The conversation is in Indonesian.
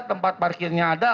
tempat parkirnya ada